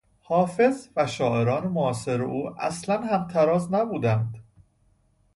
حافظ و شاعران معاصر او اصلا همتراز نبودند.